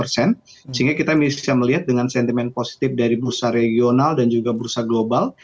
sehingga kita bisa melihat dengan sentimen positif dari bursa regional dan juga bursa global